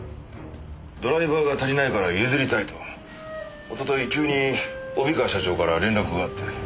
ドライバーが足りないから譲りたいとおととい急に帯川社長から連絡があって。